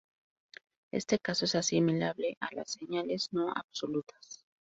Este caso es asimilable a las señales no absolutas.